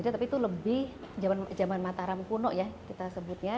tapi itu lebih zaman mataram kuno ya kita sebutnya